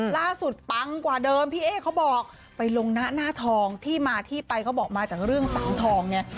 ปังกว่าเดิมพี่เอ๊เขาบอกไปลงหน้าหน้าทองที่มาที่ไปเขาบอกมาจากเรื่องสังทองเนี่ย